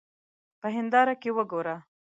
په هېنداره کې وګوره.